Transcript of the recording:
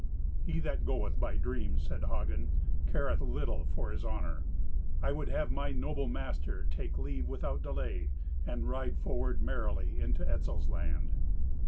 "He that goeth by dreams," said Hagen, "careth little for his honour. I would have my noble master take leave without delay, and ride forward merrily into Etzel's land.